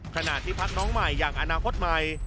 ขณะที่พักน้องใหม่อย่างอนาคตใหม่